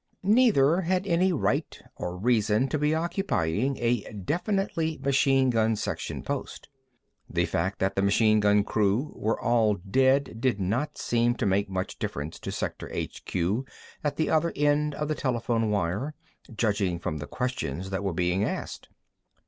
Neither had any right or reason to be occupying a definitely machine gun section post. The fact that the machine gun crew was all dead did not seem to make much difference to sector H.Q. at the other end of the telephone wire, judging from the questions that were being asked.